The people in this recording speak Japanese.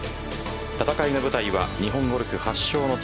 戦いの舞台は日本ゴルフ発祥の地